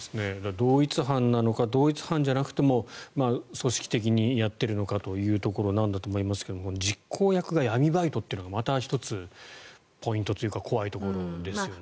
同一犯なのか同一犯じゃなくても組織的にやっているのかというところなんだと思いますが実行役が闇バイトというのがまた１つ、ポイントというか怖いところですよね。